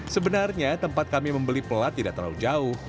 sebenarnya tempat kami membeli pelat tidak terlalu jauh